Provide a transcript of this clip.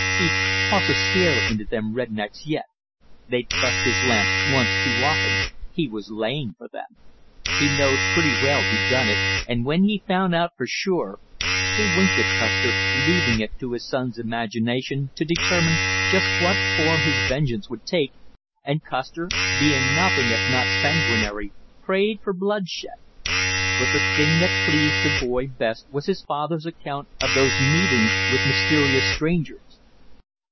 He'd "toss a scare into them red necks yet! They'd bust his lamps once too often he was laying for them! He knowed pretty well who done it, and when he found out for sure " He winked at Custer, leaving it to his son's imagination to determine just what form his vengeance would take, and Custer, being nothing if not sanguinary, prayed for bloodshed. But the thing that pleased the boy best was his father's account of those meetings with mysterious strangers.